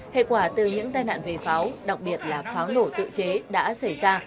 hệ quả từ những tai nạn về pháo đặc biệt là pháo nổ tự chế đã xảy ra